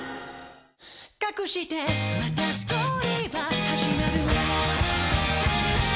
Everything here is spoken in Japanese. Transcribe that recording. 「かくしてまたストーリーは始まる」